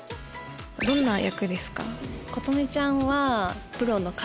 どんな役ですか？